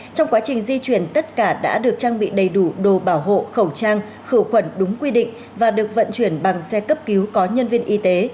trong quá trình di chuyển tất cả đã được trang bị đầy đủ đồ bảo hộ khẩu trang khử khuẩn đúng quy định và được vận chuyển bằng xe cấp cứu có nhân viên y tế